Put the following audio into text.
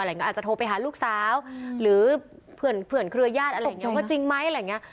อาจจะโทรไปหาลูกสาวหรือเพื่อนครัวยาศ